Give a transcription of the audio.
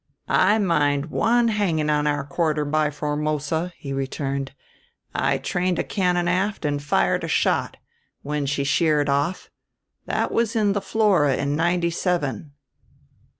"I mind one hanging on our quarter by Formosa," he returned; "I trained a cannon aft and fired a shot, when she sheered off. That was in the Flora in 'ninety seven."